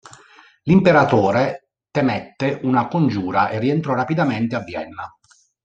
L'Imperatore temette una congiura e rientrò rapidamente a Vienna.